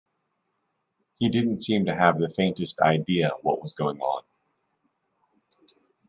He didn't seem to have the faintest idea what was going on.